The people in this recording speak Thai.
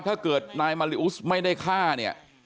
ถ้าเกิดนายมาริอุสไม่ได้ฆ่าเนี่ย